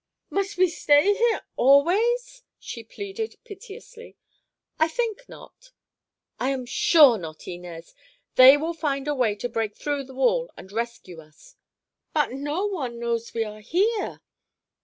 "Must we stay here always?" she pleaded piteously. "I think not. I am sure not, Inez. They will find some way to break through the wall and rescue us." "But no one knows we are here!"